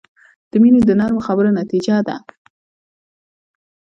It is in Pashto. • مینه د نرمو خبرو نتیجه ده.